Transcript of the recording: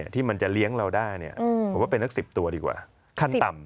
ที่มันจะเลี้ยงเราได้ผมว่าเป็นนัก๑๐ตัวดีกว่าขั้นต่ำ